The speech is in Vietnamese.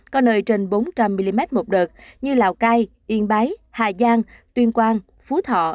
có nơi trên bốn trăm linh mm một đợt như lào cai yên bái hà giang tuyên quang phú thọ